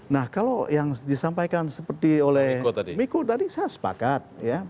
nah kalau yang disampaikan seperti oleh miko tadi saya sepakat